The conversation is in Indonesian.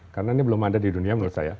karena ini belum ada di dunia menurut saya